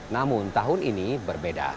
namun tahun ini berbeda